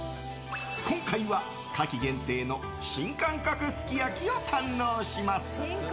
今回は、夏季限定の新感覚すき焼きを堪能します。